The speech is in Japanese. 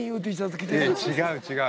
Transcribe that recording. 違う違う。